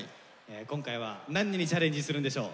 今回は何にチャレンジするんでしょう？